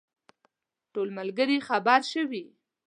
ټول ملګري خبر شوي.